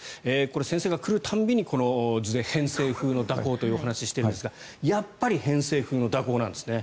先生が来る度に、この図で偏西風の蛇行という話をしていますがやっぱり偏西風の蛇行なんですね。